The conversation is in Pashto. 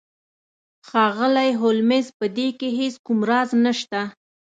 ښاغلی هولمز په دې کې هیڅ کوم راز نشته